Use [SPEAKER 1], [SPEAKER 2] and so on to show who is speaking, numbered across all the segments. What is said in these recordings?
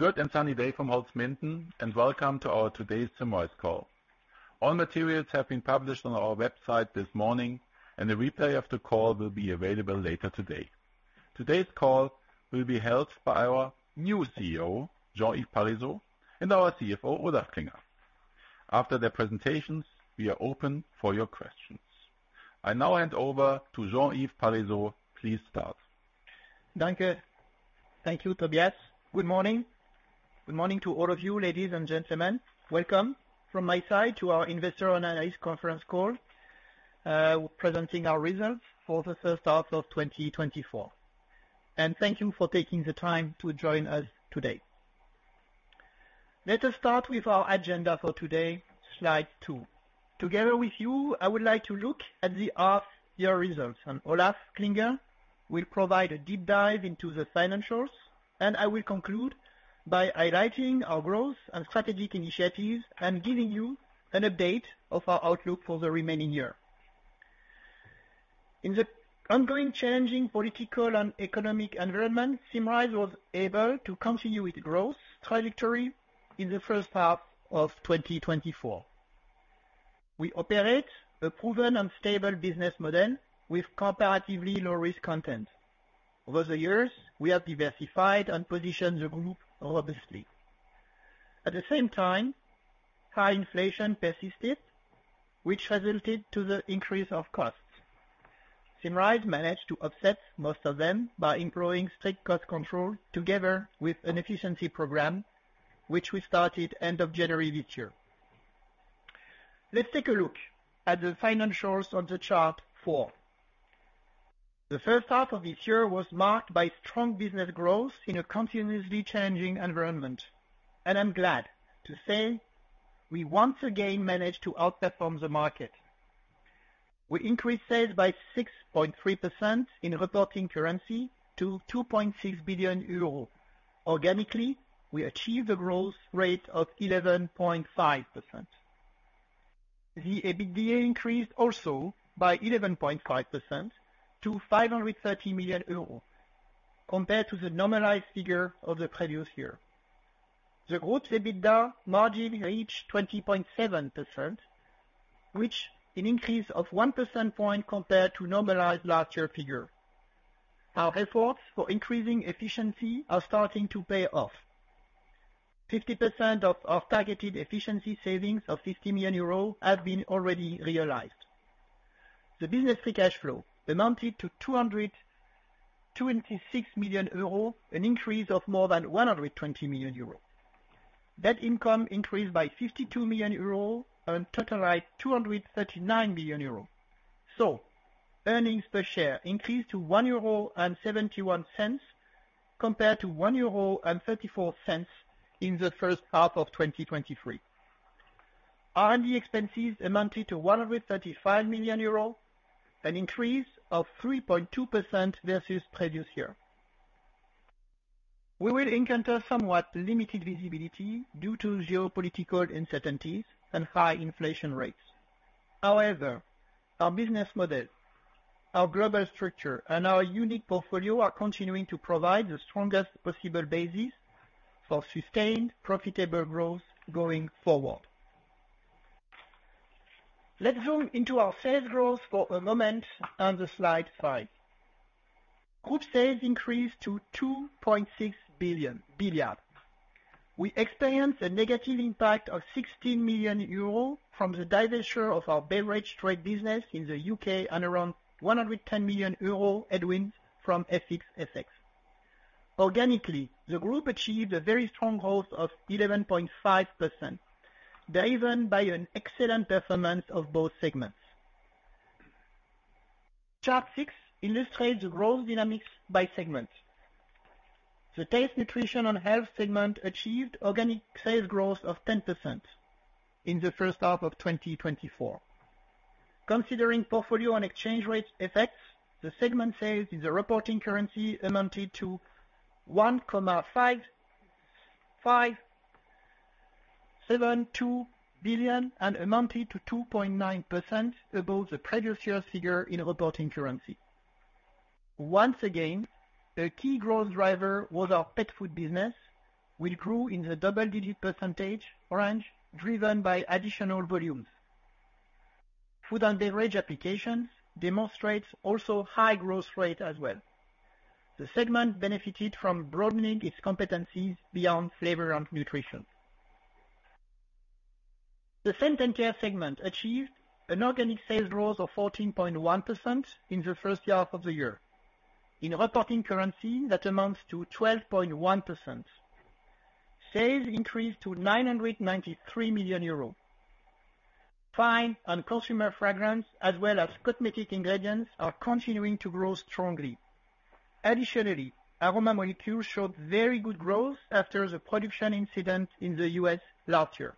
[SPEAKER 1] A good and sunny day from Holzminden, and welcome to our today's Symrise call. All materials have been published on our website this morning, and a replay of the call will be available later today. Today's call will be held by our new CEO, Jean-Yves Parisot, and our CFO, Olaf Klinger. After their presentations, we are open for your questions. I now hand over to Jean-Yves Parisot. Please start.
[SPEAKER 2] Thank you, Tobias. Good morning. Good morning to all of you, ladies and gentlemen. Welcome from my side to our Investor and Analyst Conference call, presenting our results for the first half of 2024. Thank you for taking the time to join us today. Let us start with our agenda for today, slide 2. Together with you, I would like to look at the half-year results, and Olaf Klinger will provide a deep dive into the financials, and I will conclude by highlighting our growth and strategic initiatives and giving you an update of our outlook for the remaining year. In the ongoing challenging political and economic environment, Symrise was able to continue its growth trajectory in the first half of 2024. We operate a proven and stable business model with comparatively low-risk content. Over the years, we have diversified and positioned the group robustly. At the same time, high inflation persisted, which resulted in the increase of costs. Symrise managed to offset most of them by employing strict cost control together with an efficiency program, which we started at the end of January this year. Let's take a look at the financials on Chart 4. The first half of this year was marked by strong business growth in a continuously changing environment, and I'm glad to say we once again managed to outperform the market. We increased sales by 6.3% in reporting currency to 2.6 billion euros. Organically, we achieved a growth rate of 11.5%. The EBITDA increased also by 11.5% to 530 million euros, compared to the normalized figure of the previous year. The gross EBITDA margin reached 20.7%, which is an increase of 1 percentage point compared to the normalized last year figure. Our efforts for increasing efficiency are starting to pay off. 50% of our targeted efficiency savings of 50 million euros have been already realized. The business free cash flow amounted to 226 million euros, an increase of more than 120 million euros. Net income increased by 52 million euros and totalized 239 million euros. So, earnings per share increased to 1.71 euro compared to 1.34 euro in the first half of 2023. R&D expenses amounted to 135 million euros, an increase of 3.2% versus the previous year. We will encounter somewhat limited visibility due to geopolitical uncertainties and high inflation rates. However, our business model, our global structure, and our unique portfolio are continuing to provide the strongest possible basis for sustained profitable growth going forward. Let's zoom into our sales growth for a moment on the slide 5. Group sales increased to 2.6 billion. We experienced a negative impact of 16 million euro from the divestiture of our beverage trade business in the UK and around 110 million euro headwinds from FX. Organically, the group achieved a very strong growth of 11.5%, driven by an excellent performance of both segments. Chart 6 illustrates the growth dynamics by segment. The taste, nutrition, and health segment achieved organic sales growth of 10% in the first half of 2024. Considering portfolio and exchange rate effects, the segment sales in the reporting currency amounted to 1.572 billion and amounted to 2.9% above the previous year figure in reporting currency. Once again, a key growth driver was our pet food business, which grew in the double-digit percentage range, driven by additional volumes. Food and beverage applications demonstrate also a high growth rate as well. The segment benefited from broadening its competencies beyond flavor and nutrition. The food and care segment achieved an organic sales growth of 14.1% in the first half of the year. In reporting currency, that amounts to 12.1%. Sales increased to 993 million euros. Fine and consumer fragrances, as well as cosmetic ingredients, are continuing to grow strongly. Additionally, aroma molecules showed very good growth after the production incident in the U.S. last year.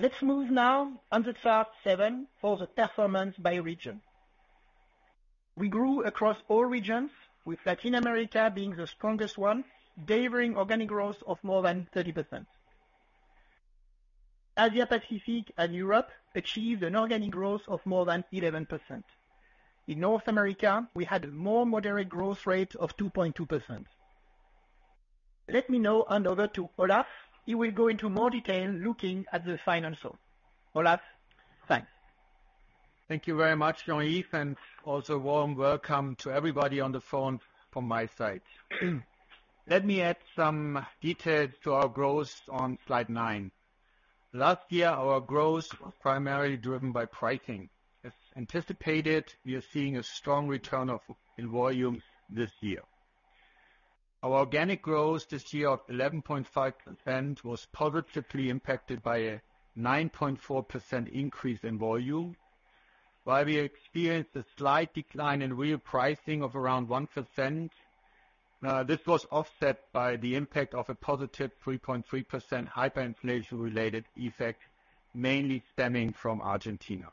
[SPEAKER 2] Let's move now on to chart 7 for the performance by region. We grew across all regions, with Latin America being the strongest one, delivering organic growth of more than 30%. Asia Pacific and Europe achieved an organic growth of more than 11%. In North America, we had a more moderate growth rate of 2.2%. Let me now hand over to Olaf. He will go into more detail looking at the financials. Olaf, thanks.
[SPEAKER 3] Thank you very much, Jean-Yves, and also a warm welcome to everybody on the phone from my side. Let me add some details to our growth on slide 9. Last year, our growth was primarily driven by pricing. As anticipated, we are seeing a strong return in volume this year. Our organic growth this year of 11.5% was positively impacted by a 9.4% increase in volume, while we experienced a slight decline in real pricing of around 1%. This was offset by the impact of a positive 3.3% hyperinflation-related effect, mainly stemming from Argentina.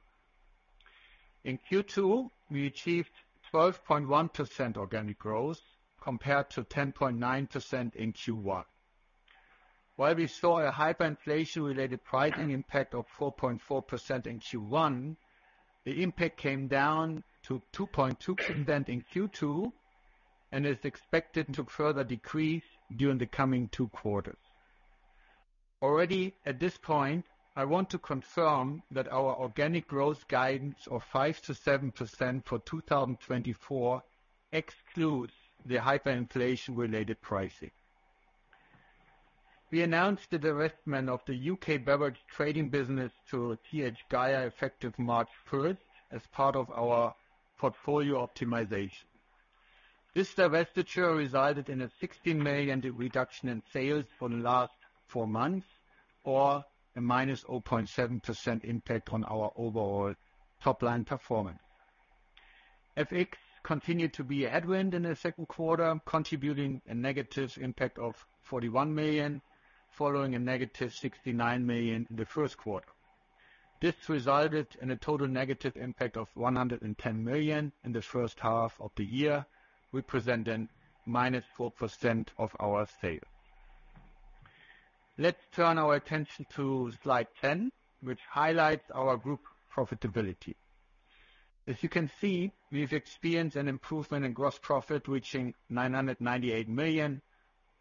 [SPEAKER 3] In Q2, we achieved 12.1% organic growth compared to 10.9% in Q1. While we saw a hyperinflation-related pricing impact of 4.4% in Q1, the impact came down to 2.2% in Q2 and is expected to further decrease during the coming two quarters. Already at this point, I want to confirm that our organic growth guidance of 5%-7% for 2024 excludes the hyperinflation-related pricing. We announced the divestment of the UK beverage trading business to Th. Geyer effective March 1st as part of our portfolio optimization. This divestiture resulted in a 16 million reduction in sales for the last four months, or a -0.7% impact on our overall top-line performance. FX continued to be headwind in the second quarter, contributing a negative impact of 41 million, following a negative 69 million in the first quarter. This resulted in a total negative impact of 110 million in the first half of the year, representing -4% of our sales. Let's turn our attention to slide 10, which highlights our group profitability. As you can see, we've experienced an improvement in gross profit reaching 998 million,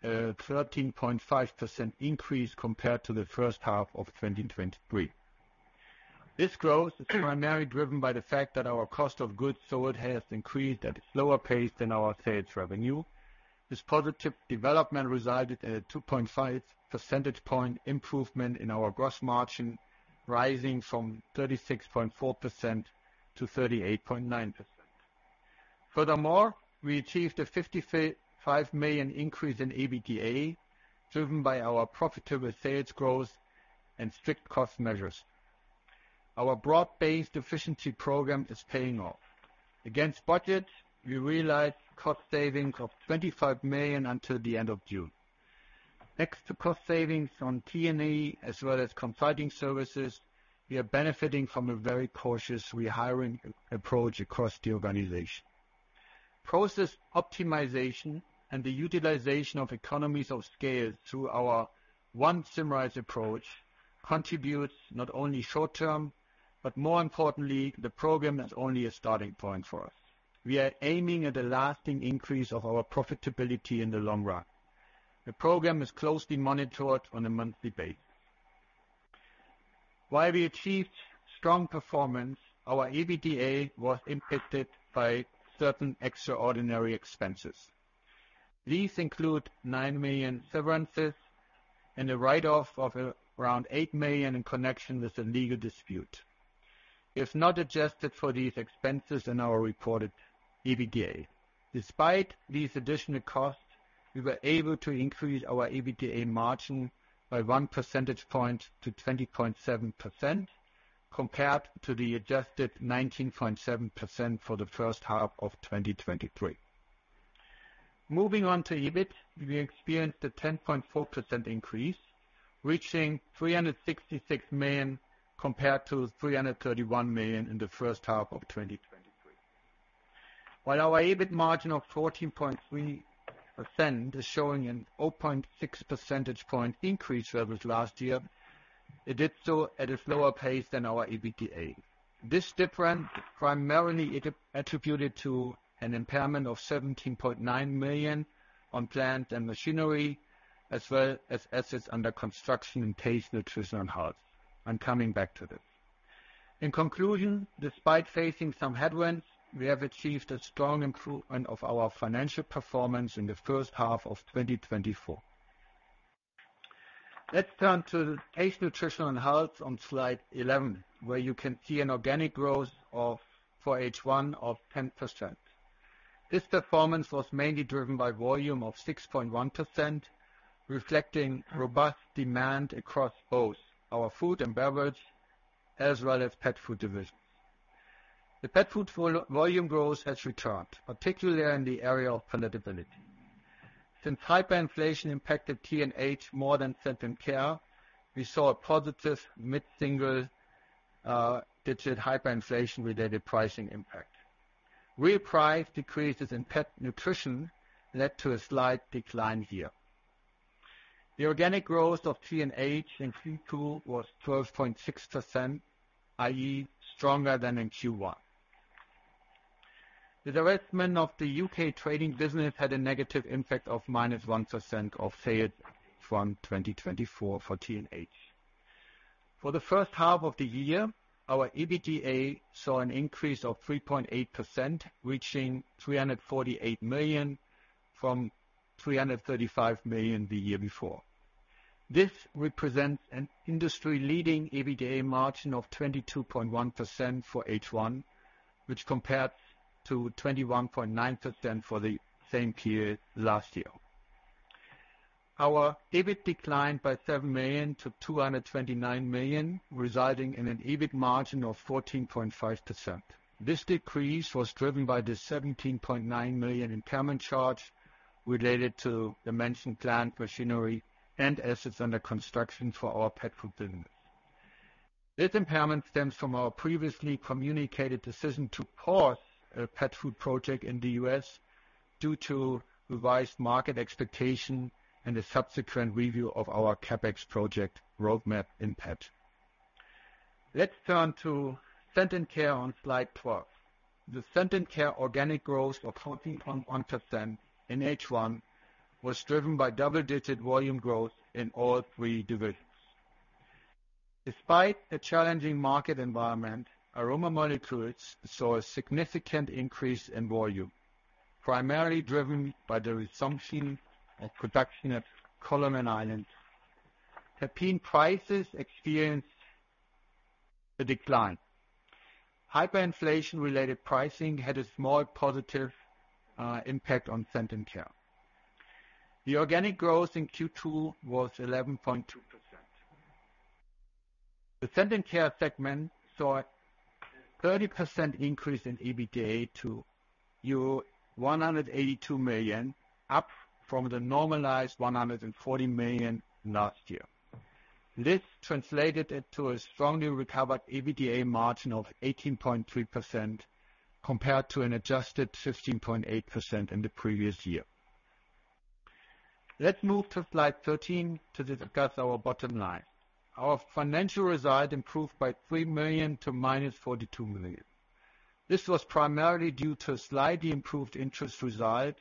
[SPEAKER 3] a 13.5% increase compared to the first half of 2023. This growth is primarily driven by the fact that our cost of goods sold has increased at a slower pace than our sales revenue. This positive development resulted in a 2.5 percentage point improvement in our gross margin, rising from 36.4% to 38.9%. Furthermore, we achieved a 55 million increase in EBITDA, driven by our profitable sales growth and strict cost measures. Our broad-based efficiency program is paying off. Against budget, we realized cost savings of 25 million until the end of June. Next to cost savings on T&E, as well as consulting services, we are benefiting from a very cautious rehiring approach across the organization. Process optimization and the utilization of economies of scale through our one Symrise approach contributes not only short-term, but more importantly, the program is only a starting point for us. We are aiming at a lasting increase of our profitability in the long run. The program is closely monitored on a monthly basis. While we achieved strong performance, our EBITDA was impacted by certain extraordinary expenses. These include 9 million severances and a write-off of around 8 million in connection with a legal dispute. If not adjusted for these expenses in our reported EBITDA. Despite these additional costs, we were able to increase our EBITDA margin by 1 percentage point to 20.7% compared to the adjusted 19.7% for the first half of 2023. Moving on to EBIT, we experienced a 10.4% increase, reaching 366 million compared to 331 million in the first half of 2023. While our EBIT margin of 14.3% is showing a 0.6 percentage point increase levels last year, it did so at a slower pace than our EBITDA. This difference is primarily attributed to an impairment of 17.9 million on plant and machinery, as well as assets under construction and taste, nutrition, and health. I'm coming back to this. In conclusion, despite facing some headwinds, we have achieved a strong improvement of our financial performance in the first half of 2024. Let's turn to taste, nutrition, and health on slide 11, where you can see an organic growth for H1 of 10%. This performance was mainly driven by volume of 6.1%, reflecting robust demand across both our food and beverage as well as pet food divisions. The pet food volume growth has returned, particularly in the area of palatability. Since hyperinflation impacted T&H more than food and care, we saw a positive mid-single-digit hyperinflation-related pricing impact. Real price decreases in pet nutrition led to a slight decline here. The organic growth of T&H in Q2 was 12.6%, i.e., stronger than in Q1. The divestment of the UK trading business had a negative impact of -1% of sales from 2024 for T&H. For the first half of the year, our EBITDA saw an increase of 3.8%, reaching 348 million from 335 million the year before. This represents an industry-leading EBITDA margin of 22.1% for H1, which compared to 21.9% for the same period last year. Our EBIT declined by 7 million to 229 million, resulting in an EBIT margin of 14.5%. This decrease was driven by the 17.9 million impairment charge related to the mentioned plant machinery and assets under construction for our pet food business. This impairment stems from our previously communicated decision to pause a pet food project in the US due to revised market expectation and the subsequent review of our CapEx project roadmap impact. Let's turn to food and care on slide 12. The food and care organic growth of 14.1% in H1 was driven by double-digit volume growth in all three divisions. Despite a challenging market environment, aroma molecules saw a significant increase in volume, primarily driven by the resumption of production at Colonel's Island. terpene prices experienced a decline. Hyperinflation-related pricing had a small positive impact on food and care. The organic growth in Q2 was 11.2%. The food and care segment saw a 30% increase in EBITDA to 182 million, up from the normalized 140 million last year. This translated into a strongly recovered EBITDA margin of 18.3% compared to an adjusted 15.8% in the previous year. Let's move to slide 13 to discuss our bottom line. Our financial result improved by 3 million to minus 42 million. This was primarily due to a slightly improved interest result,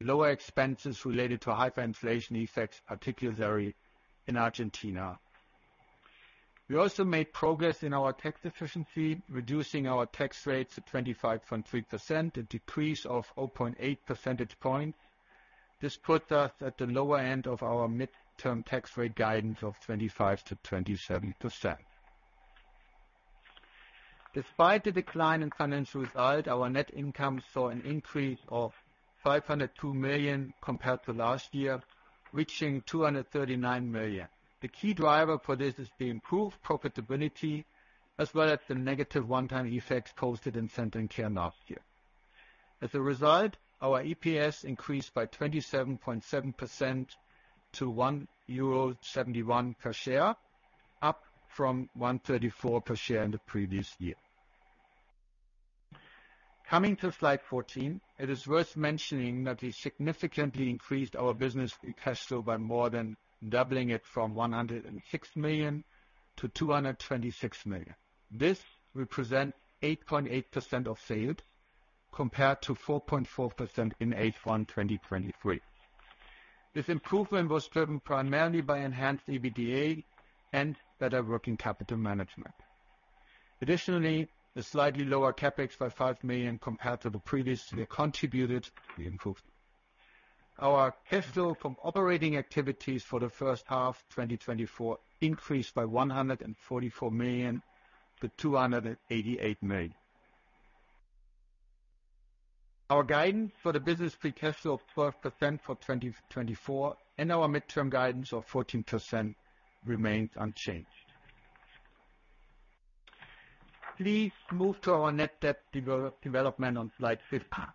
[SPEAKER 3] lower expenses related to hyperinflation effects, particularly in Argentina. We also made progress in our tax efficiency, reducing our tax rates to 25.3%, a decrease of 0.8 percentage points. This puts us at the lower end of our midterm tax rate guidance of 25%-27%. Despite the decline in financial result, our net income saw an increase of 502 million compared to last year, reaching 239 million. The key driver for this is the improved profitability, as well as the negative one-time effects posted in food and care last year. As a result, our EPS increased by 27.7% to €1.71 per share, up from €1.34 per share in the previous year. Coming to slide 14, it is worth mentioning that we significantly increased our business cash flow by more than doubling it from 106 million to 226 million. This represents 8.8% of sales compared to 4.4% in H1 2023. This improvement was driven primarily by enhanced EBITDA and better working capital management. Additionally, a slightly lower CapEx by 5 million compared to the previous year contributed to the improvement. Our cash flow from operating activities for the first half of 2024 increased by 144 million to 288 million. Our guidance for the business pre-cash flow of 12% for 2024 and our midterm guidance of 14% remains unchanged. Please move to our net debt development on slide 15.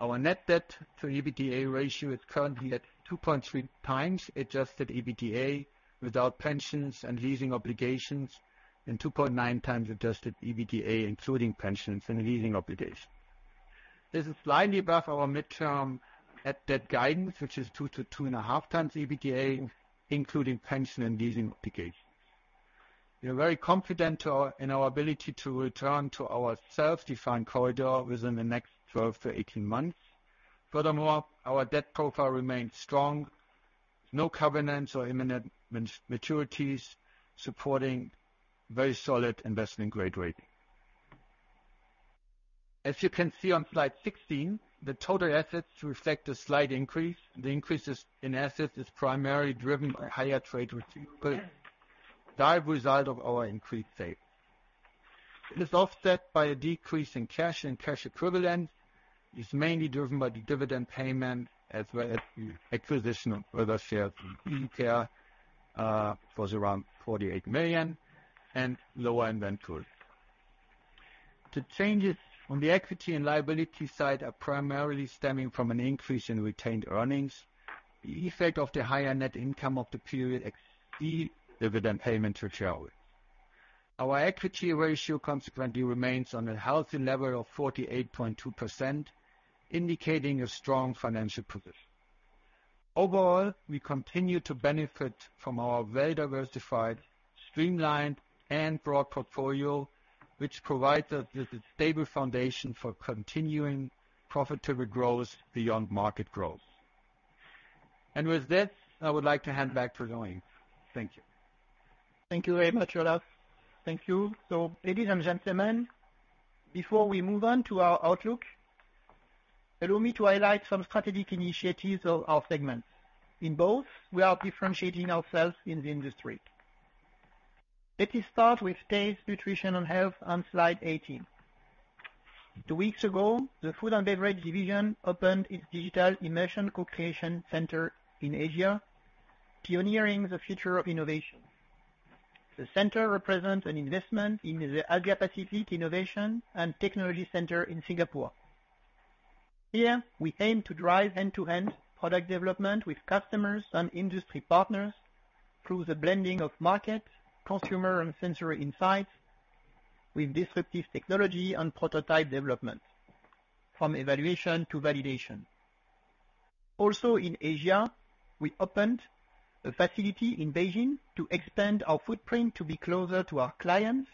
[SPEAKER 3] Our net debt to EBITDA ratio is currently at 2.3 times adjusted EBITDA without pensions and leasing obligations and 2.9 times adjusted EBITDA, including pensions and leasing obligations. This is slightly above our midterm net debt guidance, which is 2-2.5x EBITDA, including pension and leasing obligations. We are very confident in our ability to return to our self-defined corridor within the next 12-18 months. Furthermore, our debt profile remains strong, with no covenants or imminent maturities, supporting very solid investment-grade rating. As you can see on Slide 16, the total assets reflect a slight increase. The increase in assets is primarily driven by higher trade receivables, a direct result of our increased sales. This is offset by a decrease in cash and cash equivalents. It's mainly driven by the dividend payment, as well as the acquisition of other shares in food and care for around 48 million and lower inventory. The changes on the equity and liability side are primarily stemming from an increase in retained earnings. The effect of the higher net income of the period exceeds dividend payment retirement. Our equity ratio consequently remains on a healthy level of 48.2%, indicating a strong financial position. Overall, we continue to benefit from our well-diversified, streamlined, and broad portfolio, which provides a stable foundation for continuing profitable growth beyond market growth. And with this, I would like to hand back to Jean-Yves. Thank you.
[SPEAKER 4] Thank you very much, Olaf. Thank you. So, ladies and gentlemen, before we move on to our outlook, allow me to highlight some strategic initiatives of our segments. In both, we are differentiating ourselves in the industry. Let me start with Taste, Nutrition & Health on slide 18. Two weeks ago, the food and beverage division opened its digital immersion co-creation center in Asia, pioneering the future of innovation. The center represents an investment in the Asia-Pacific Innovation and Technology Center in Singapore. Here, we aim to drive end-to-end product development with customers and industry partners through the blending of market, consumer, and sensory insights with disruptive technology and prototype development, from evaluation to validation. Also, in Asia, we opened a facility in Beijing to expand our footprint to be closer to our clients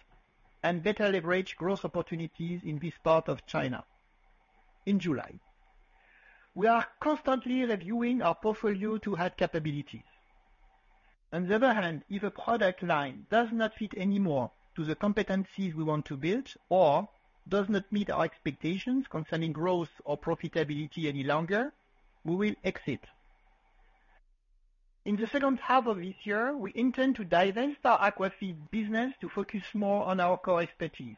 [SPEAKER 4] and better leverage growth opportunities in this part of China in July. We are constantly reviewing our portfolio to add capabilities. On the other hand, if a product line does not fit anymore to the competencies we want to build or does not meet our expectations concerning growth or profitability any longer, we will exit. In the second half of this year, we intend to diversify our aquafeed business to focus more on our core expertise.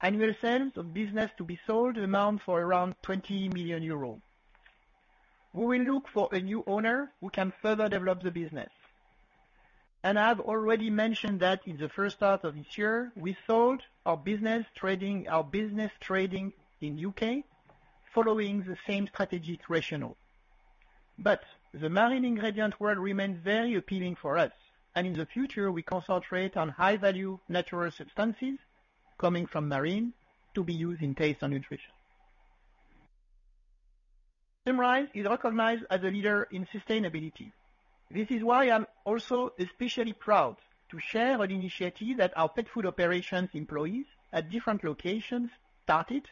[SPEAKER 4] Annual sales of business to be sold amount for around 20 million euros. We will look for a new owner who can further develop the business. I have already mentioned that in the first half of this year, we sold our beverage trading business in the UK following the same strategic rationale. The marine ingredient world remains very appealing for us, and in the future, we concentrate on high-value natural substances coming from marine to be used in taste and nutrition. Symrise is recognized as a leader in sustainability. This is why I'm also especially proud to share an initiative that our pet food operations employees at different locations started,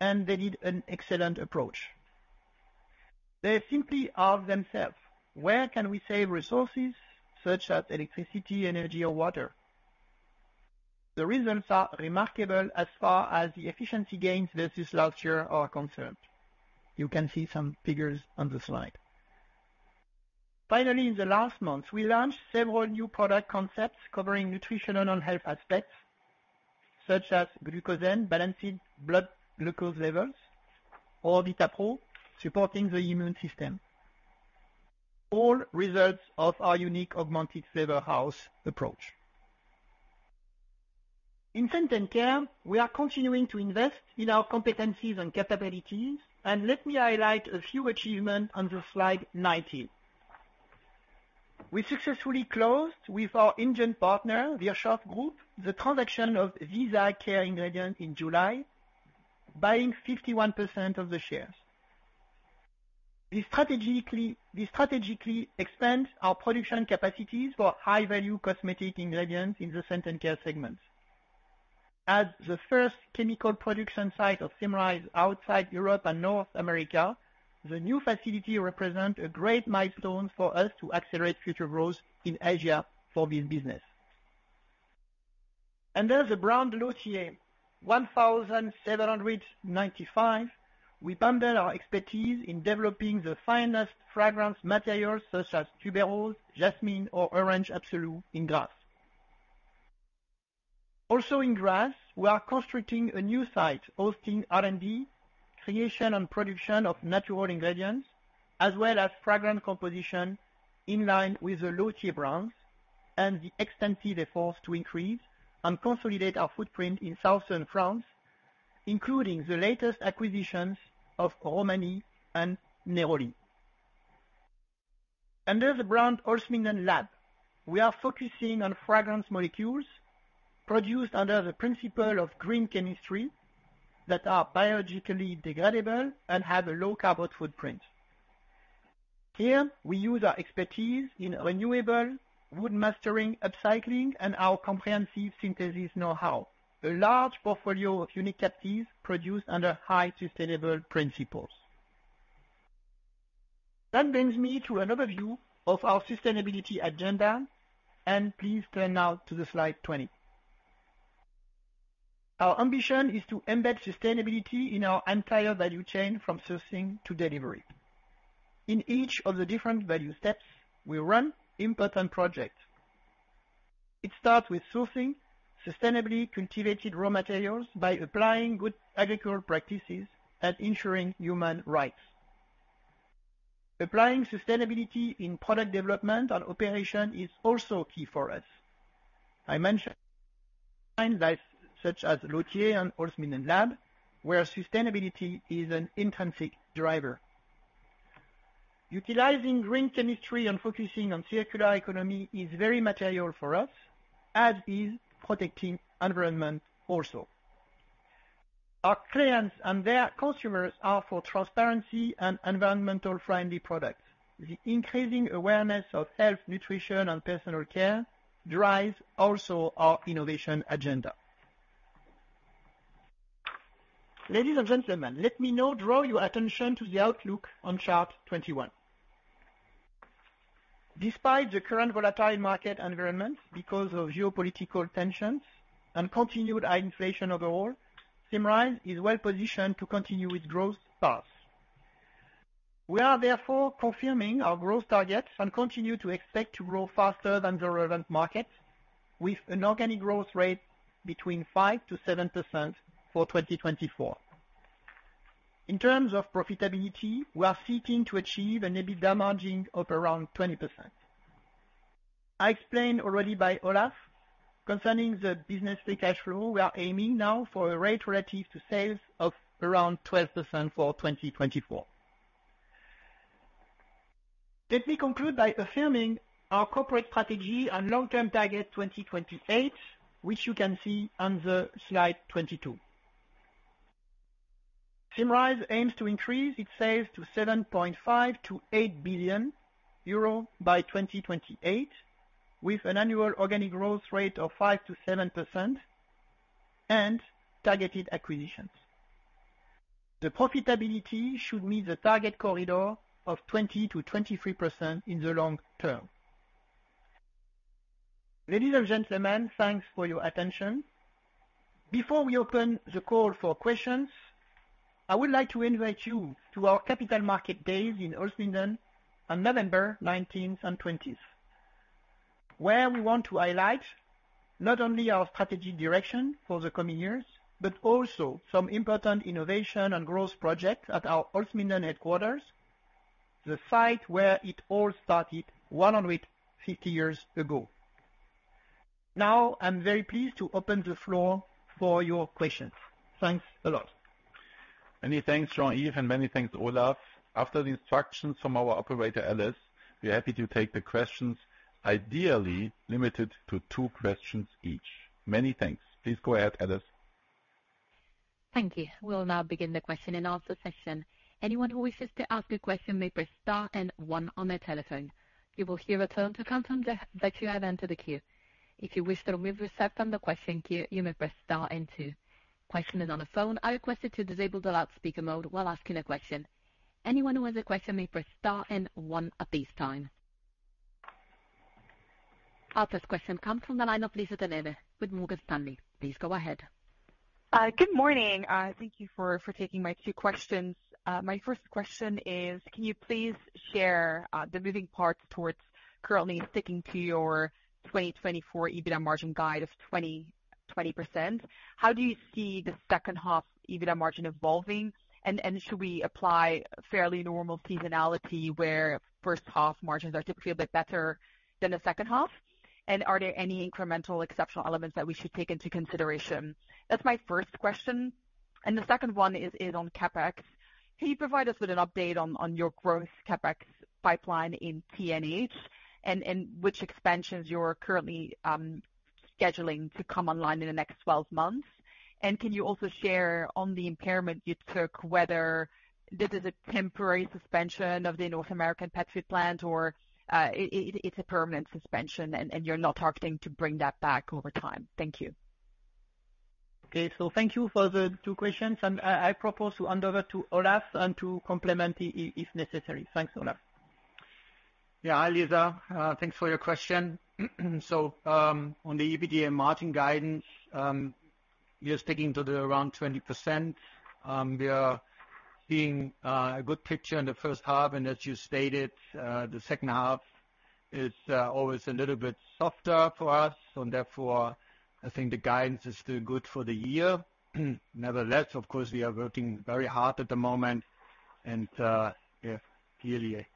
[SPEAKER 4] and they did an excellent approach. They simply asked themselves, "Where can we save resources such as electricity, energy, or water?" The results are remarkable as far as the efficiency gains versus last year are concerned. You can see some figures on the slide. Finally, in the last months, we launched several new product concepts covering nutritional and health aspects, such as glucosamine-balanced blood glucose levels or Vitapro, supporting the immune system. All results of our unique Augmented Flavor House approach. In Scent & Care, we are continuing to invest in our competencies and capabilities, and let me highlight a few achievements on slide 19. We successfully closed with our Indian partner, Virchow Group, the transaction of Viyash in July, buying 51% of the shares. We strategically expand our production capacities for high-value cosmetic ingredients in the Scent & Care segments. As the first chemical production site of Symrise outside Europe and North America, the new facility represents a great milestone for us to accelerate future growth in Asia for this business. Under the brand Lautier 1795, we bundle our expertise in developing the finest fragrance materials such as tuberose, jasmine, or orange absolu in Grasse. Also in Grasse, we are constructing a new site hosting R&D, creation and production of natural ingredients, as well as fragrance composition in line with the Lautier brands and the extensive efforts to increase and consolidate our footprint in southern France, including the latest acquisitions of SFA Romani and Groupe Néroli. Under the brand Holzminden Lab, we are focusing on fragrance molecules produced under the principle of green chemistry that are biologically degradable and have a low carbon footprint. Here, we use our expertise in renewable wood mastering, upcycling, and our comprehensive synthesis know-how, a large portfolio of unique captives produced under high sustainable principles. That brings me to another view of our sustainability agenda, and please turn now to slide 20. Our ambition is to embed sustainability in our entire value chain from sourcing to delivery. In each of the different value steps, we run important projects. It starts with sourcing sustainably cultivated raw materials by applying good agricultural practices and ensuring human rights. Applying sustainability in product development and operation is also key for us. I mentioned lines such as loyalty and Holzminden Lab, where sustainability is an intrinsic driver. Utilizing green chemistry and focusing on circular economy is very material for us, as is protecting environment also. Our clients and their consumers are for transparency and environmental-friendly products. The increasing awareness of health, nutrition, and personal care drives also our innovation agenda. Ladies and gentlemen, let me now draw your attention to the outlook on chart 21. Despite the current volatile market environment because of geopolitical tensions and continued high inflation overall, Symrise is well positioned to continue its growth path. We are therefore confirming our growth targets and continue to expect to grow faster than the relevant markets, with an organic growth rate between 5%-7% for 2024. In terms of profitability, we are seeking to achieve an EBITDA margin of around 20%. I explained already by Olaf concerning the business cash flow. We are aiming now for a rate relative to sales of around 12% for 2024. Let me conclude by affirming our corporate strategy and long-term target 2028, which you can see on slide 22. Symrise aims to increase its sales to 7.5-8 billion euro by 2028, with an annual organic growth rate of 5%-7% and targeted acquisitions. The profitability should meet the target corridor of 20%-23% in the long term. Ladies and gentlemen, thanks for your attention. Before we open the call for questions, I would like to invite you to our capital market days in Holzminden on November 19th and 20th, where we want to highlight not only our strategic direction for the coming years, but also some important innovation and growth projects at our Holzminden headquarters, the site where it all started 150 years ago. Now, I'm very pleased to open the floor for your questions. Thanks a lot.
[SPEAKER 1] Many thanks, Joaquin, and many thanks, Olaf. After the instructions from our operator, Alice, we're happy to take the questions, ideally limited to two questions each. Many thanks. Please go ahead, Alice.
[SPEAKER 5] Thank you. We'll now begin the question-and-answer session. Anyone who wishes to ask a question may press star and one on their telephone. You will hear a tone to confirm that you have entered the queue. If you wish to remove yourself from the question queue, you may press star and two. Questioners on the phone are requested to disable the loudspeaker mode while asking a question. Anyone who has a question may press star and one at this time. Our first question comes from the line of Lisa De Neve with Morgan Stanley. Please go ahead.
[SPEAKER 6] Good morning. Thank you for taking my two questions. My first question is, can you please share the moving parts toward currently sticking to your 2024 EBITDA margin guide of 20%? How do you see the second half EBITDA margin evolving, and should we apply fairly normal seasonality where first half margins are typically a bit better than the second half? Are there any incremental exceptional elements that we should take into consideration? That's my first question. And the second one is on CapEx. Can you provide us with an update on your growth CapEx pipeline in TNH and which expansions you're currently scheduling to come online in the next 12 months? And can you also share on the impairment you took, whether this is a temporary suspension of the North American Pet Food Plant or it's a permanent suspension and you're not targeting to bring that back over time? Thank you.
[SPEAKER 2] Okay, so thank you for the two questions, and I propose to hand over to Olaf and to complement if necessary. Thanks, Olaf. Yeah, hi, Lisa. Thanks for your question. So on the EBITDA margin guidance, we are sticking to the around 20%. We are seeing a good picture in the first half, and as you stated, the second half is always a little bit softer for us, and therefore, I think the guidance is still good for the year. Nevertheless, of course, we are working very hard at the moment and clearly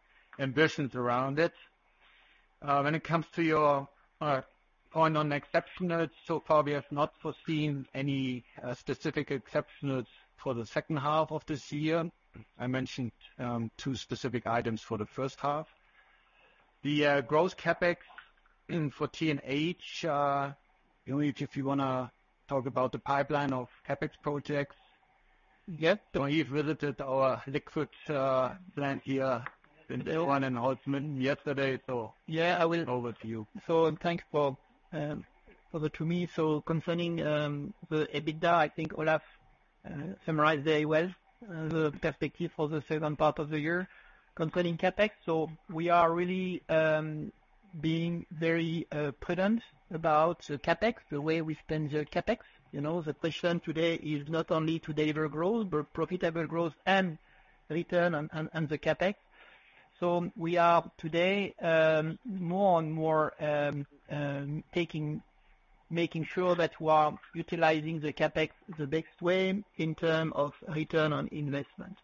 [SPEAKER 2] ambitions around it. When it comes to your point on exceptionals, so far we have not foreseen any specific exceptionals for the second half of this year. I mentioned two specific items for the first half. The growth CapEx for TNH, if you want to talk about the pipeline of CapEx projects. Yes. He visited our liquid plant here in here in and Holzminden yesterday, so I will hand over to you. Thanks for the two me. Concerning the EBITDA, I think Olaf summarized very well the perspective for the second part of the year. Concerning CapEx, so we are really being very prudent about the CapEx, the way we spend the CapEx. The question today is not only to deliver growth, but profitable growth and return on the CapEx. So we are today more and more making sure that we are utilizing the CapEx the best way in terms of return on investment.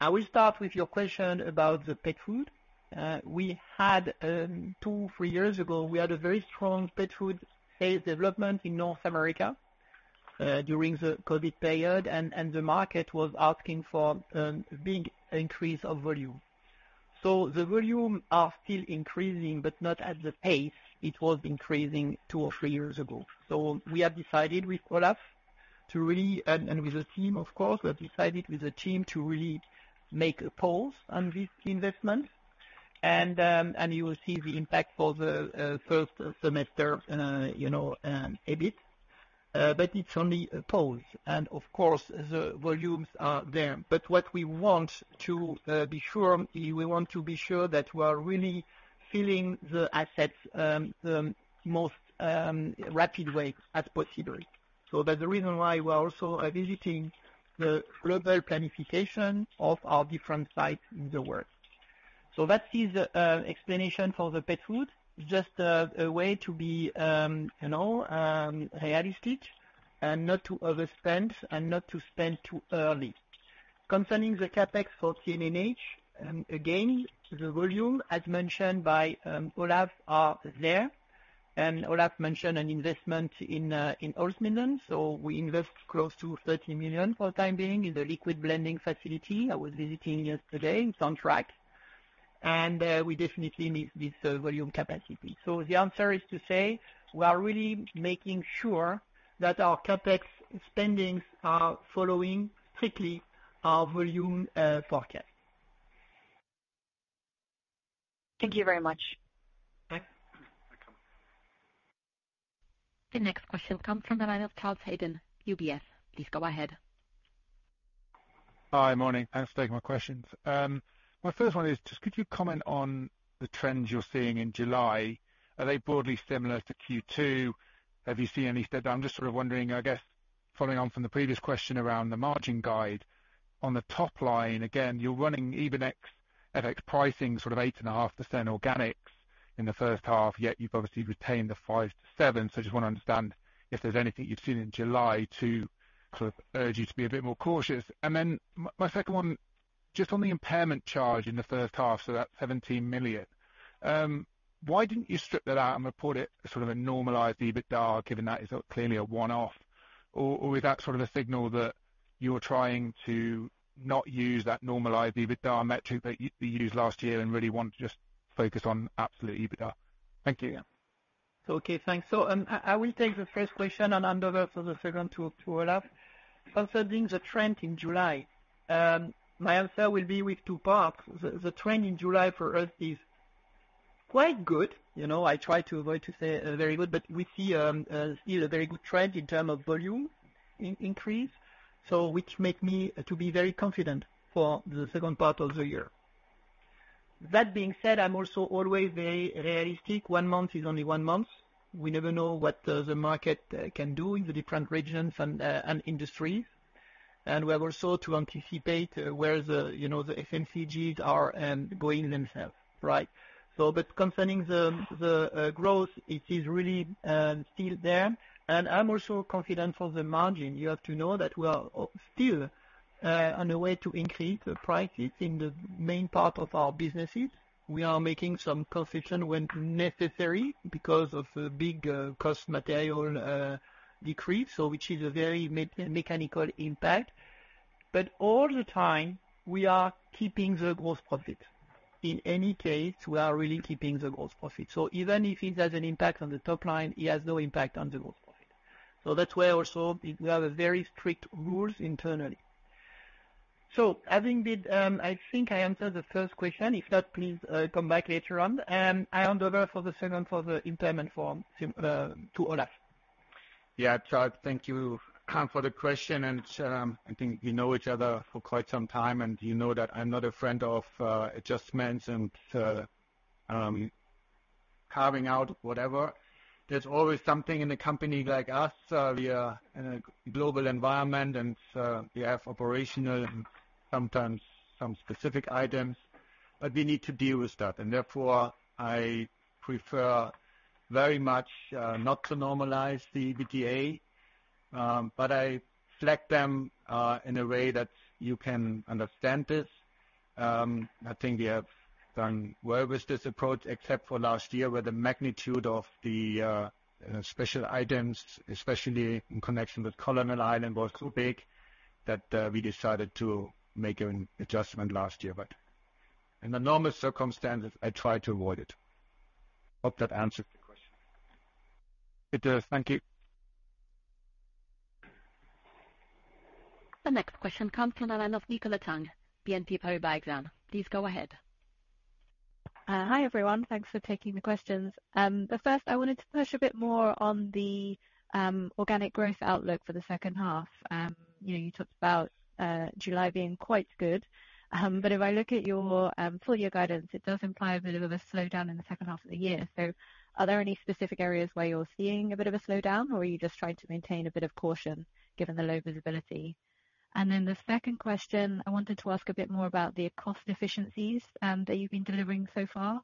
[SPEAKER 2] I will start with your question about the pet food. We had, 2, 3 years ago, we had a very strong pet food sales development in North America during the COVID period, and the market was asking for a big increase of volume. So the volume is still increasing, but not at the pace it was increasing 2 or 3 years ago. So we have decided with Olaf to really, and with the team, of course, we have decided with the team to really make a pause on this investment, and you will see the impact for the first semester EBIT, but it's only a pause. And of course, the volumes are there, but what we want to be sure, we want to be sure that we are really filling the assets the most rapid way as possible. So that's the reason why we are also visiting the global planification of our different sites in the world. So that is the explanation for the pet food, just a way to be realistic and not to overspend and not to spend too early. Concerning the CapEx for TNH, again, the volume, as mentioned by Olaf, is there, and Olaf mentioned an investment in Holzminden, so we invest close to 30 million for the time being in the liquid blending facility I was visiting yesterday in SunTrack, and we definitely need this volume capacity. So the answer is to say we are really making sure that our CapEx spendings are following strictly our volume forecast.
[SPEAKER 6] Thank you very much.
[SPEAKER 2] Thanks.
[SPEAKER 5] The next question comes from the line of Charles Eden, UBS. Please go ahead.
[SPEAKER 7] Hi, morning. Thanks for taking my questions. My first one is just, could you comment on the trends you're seeing in July? Are they broadly similar to Q2? Have you seen any step down? I'm just sort of wondering, I guess, following on from the previous question around the margin guide. On the top line, again, you're running EBITDA XFX pricing sort of 8.5% organics in the first half, yet you've obviously retained the 5%-7%. So I just want to understand if there's anything you've seen in July to sort of urge you to be a bit more cautious. And then my second one, just on the impairment charge in the first half, so that's 17 million. Why didn't you strip that out and report it sort of a normalized EBITDA, given that it's clearly a one-off? Or is that sort of a signal that you're trying to not use that normalized EBITDA metric that you used last year and really want to just focus on absolute EBITDA? Thank you.
[SPEAKER 2] Okay, thanks. So I will take the first question and hand over to the second to Olaf. Concerning the trend in July, my answer will be with two parts. The trend in July for us is quite good. I try to avoid to say very good, but we see still a very good trend in terms of volume increase, which makes me to be very confident for the second part of the year. That being said, I'm also always very realistic. One month is only one month. We never know what the market can do in the different regions and industries. We have also to anticipate where the FMCGs are going themselves, right? Concerning the growth, it is really still there. I'm also confident for the margin. You have to know that we are still on the way to increase the prices in the main part of our businesses. We are making some concessions when necessary because of the big cost material decrease, which is a very mechanical impact. But all the time, we are keeping the gross profit. In any case, we are really keeping the gross profit. So even if it has an impact on the top line, it has no impact on the gross profit. So that's why also we have very strict rules internally. So having been, I think I answered the first question. If not, please come back later on. I hand over for the second for the impairment form to Olaf.
[SPEAKER 3] Yeah, Charles, thank you for the question. I think we know each other for quite some time, and you know that I'm not a friend of adjustments and carving out whatever. There's always something in a company like us. We are in a global environment, and we have operational and sometimes some specific items, but we need to deal with that. And therefore, I prefer very much not to normalize the EBITDA, but I flag them in a way that you can understand this. I think we have done well with this approach, except for last year where the magnitude of the special items, especially in connection with Colonel's Island, was so big that we decided to make an adjustment last year. But in the normal circumstances, I try to avoid it. Hope that answers the question.
[SPEAKER 7] It does. Thank you.
[SPEAKER 5] The next question comes from the line of Nicola Tang, BNP Paribas Exane. Please go ahead.
[SPEAKER 8] Hi everyone. Thanks for taking the questions. But first, I wanted to push a bit more on the organic growth outlook for the second half. You talked about July being quite good, but if I look at your full year guidance, it does imply a bit of a slowdown in the second half of the year. So are there any specific areas where you're seeing a bit of a slowdown, or are you just trying to maintain a bit of caution given the low visibility? And then the second question, I wanted to ask a bit more about the cost efficiencies that you've been delivering so far.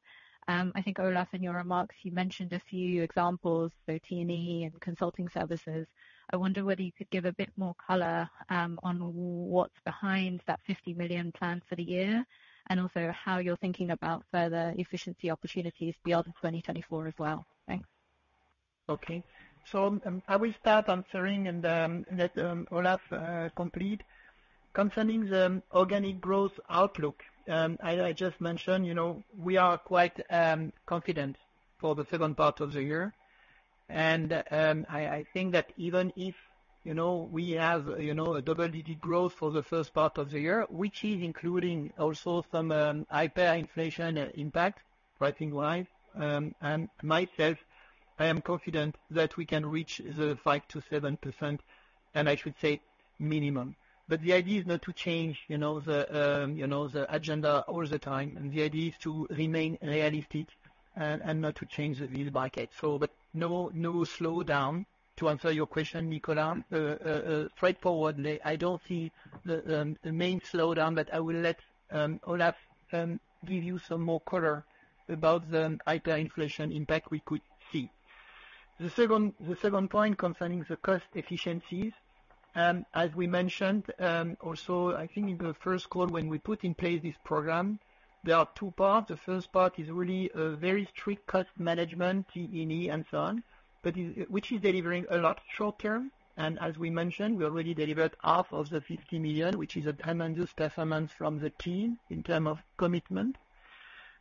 [SPEAKER 8] I think Olaf, in your remarks, you mentioned a few examples, so T&E and consulting services. I wonder whether you could give a bit more color on what's behind that 50 million plan for the year and also how you're thinking about further efficiency opportunities beyond 2024 as well. Thanks.
[SPEAKER 2] Okay. So I will start answering and let Olaf complete. Concerning the organic growth outlook, I just mentioned we are quite confident for the second part of the year. I think that even if we have a double-digit growth for the first part of the year, which is including also some hyperinflation impact pricing-wise, and myself, I am confident that we can reach the 5%-7%, and I should say minimum. But the idea is not to change the agenda all the time, and the idea is to remain realistic and not to reinvent the wheel. But no slowdown. To answer your question, Nicola, straightforwardly, I don't see the main slowdown, but I will let Olaf give you some more color about the hyperinflation impact we could see. The second point concerning the cost efficiencies, as we mentioned, also I think in the first call, when we put in place this program, there are two parts. The first part is really very strict cost management, T&E, and so on, which is delivering a lot short term. As we mentioned, we already delivered EUR 25 million of the 50 million, which is a tremendous performance from the team in terms of commitment.